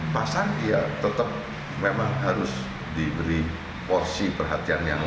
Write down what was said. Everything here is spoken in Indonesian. pasang ya tetap memang harus diberi porsi perhatian yang lain